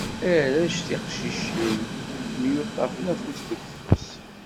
Arrac tiqcicin, myuṭṭafen afus deg ufus.